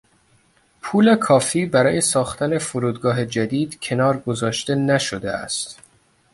پول کافی برای ساختن فرودگاه جدید کنار گذاشته نشده است.